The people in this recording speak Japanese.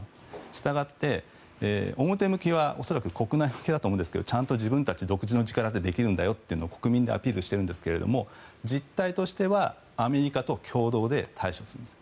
したがって、表向きは恐らく国内向けだと思いますがちゃんと自分たち独自の力でできるんだよというのを国民にアピールしているんですが実態としてはアメリカと共同で対処するんです。